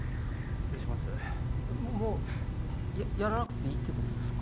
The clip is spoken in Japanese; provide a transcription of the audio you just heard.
もうやらなくていいってことですか？